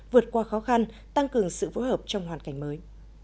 vượt qua khó khăn tăng cường sự phối hợp trong hoàn cảnh mới